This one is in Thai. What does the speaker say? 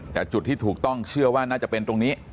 แต่จุดที่ถูกต้องเชื่อว่าน่าจะเป็นตรงนี้